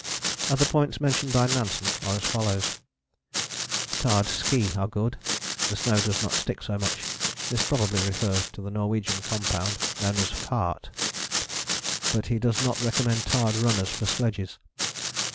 Other points mentioned by Nansen are as follows: Tarred ski are good: the snow does not stick so much. [This probably refers to the Norwegian compound known as Fahrt.] But he does not recommend tarred runners for sledges.